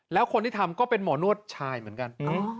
แล้วคนที่ทำก็เป็นหมอนวดชายเหมือนกัน